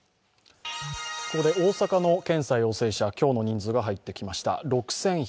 大阪の検査陽性者、今日の人数が入ってきました。